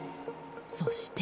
そして。